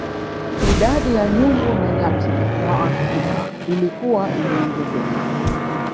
Idadi ya nyumbu na nyati wa Afrika ilikuwa imeongezeka